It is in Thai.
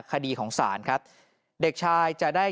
คดีของศาลครับเด็กชายจะได้